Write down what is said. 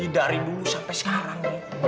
dari dulu sampai sekarang